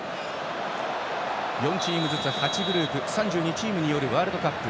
４チームずつ８グループ３２チームによるワールドカップ。